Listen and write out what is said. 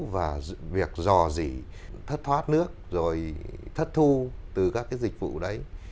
và việc dò dỉ thất thoát nước rồi thất thu từ các cái dịch vụ đấy